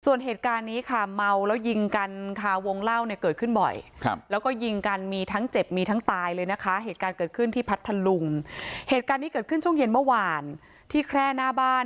ส่วนเหตุการณ์นี้ค่ะเมลมัวแล้วยิงกันครับ